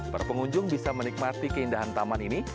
para pengunjung bisa menikmati keindahan taman ini